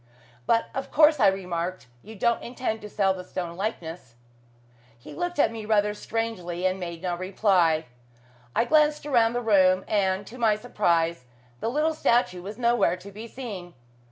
"But of course," I remarked, "you don't intend to sell the stone likeness?" He looked at me rather strangely, and made no reply. I glanced around the room, and, to my surprise, the little statue was nowhere to be seen.